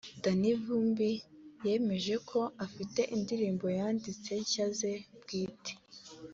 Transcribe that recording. Danny Vumbi yemeje ko afite indirimbo yanditse nshya ze bwite